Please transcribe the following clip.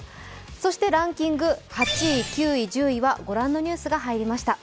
そしてランキング８位、９位、１０位はご覧のニュースが入りました。